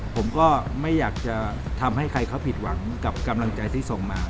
ผมก็ไม่อยากจะทำให้ใครเขาผิดหวังกับกำลังใจที่ส่งมา